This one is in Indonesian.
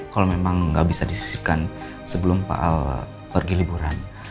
kalau memang nggak bisa disisihkan sebelum pak al pergi liburan